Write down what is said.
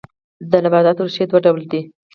د نباتاتو ریښې دوه ډوله دي